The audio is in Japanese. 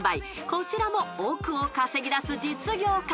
［こちらも億を稼ぎ出す実業家］